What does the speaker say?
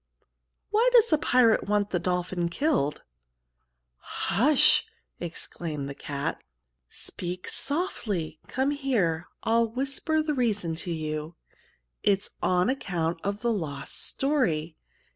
"Why does the pirate want the dolphin killed?" "Hush!" exclaimed the cat. "Speak softly! Come here! I'll whisper the reason to you. It's on account of the lost story.